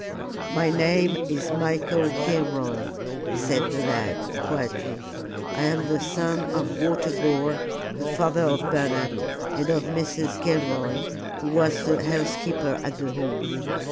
"My name is Michael Gilroy," said the lad, quietly. "I am the son of Walter Gore, the father of Bernard, and of Mrs. Gilroy, who was the housekeeper at the Hall.